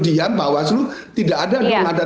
diam bawaslu tidak ada